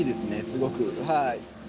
すごく。